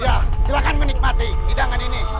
ya silahkan menikmati hidangan ini